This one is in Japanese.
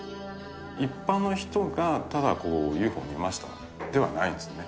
一般の人がただＵＦＯ見ましたではないんですね。